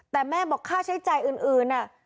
แต่แม่บอกค่าใช้จ่ายอื่น